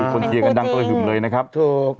เป็นคู่จริง